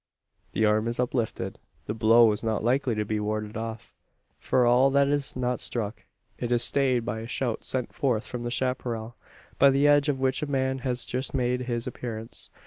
The arm is uplifted. The blow is not likely to be warded off. For all that it is not struck. It is stayed by a shout sent forth from the chapparal by the edge of which a man has just made his appearance.